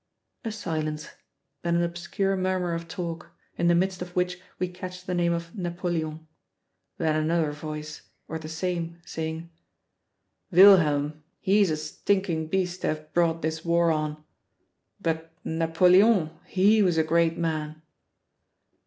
A silence; then an obscure murmur of talk, in the midst of which we catch the name of Napoleon; then another voice, or the same, saying, "Wilhelm, he's a stinking beast to have brought this war on. But Napoleon, he was a great man!"